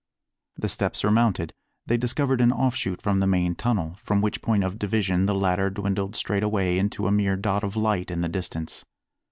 The steps surmounted, they discovered an offshoot from the main tunnel, from which point of division the latter dwindled straight away into a mere dot of light in the distance.